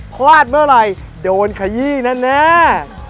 พลาดเมื่อไรโดนขยี้นั่นแน่